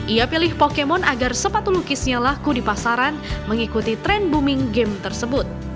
ia pilih pokemon agar sepatu lukisnya laku di pasaran mengikuti tren booming game tersebut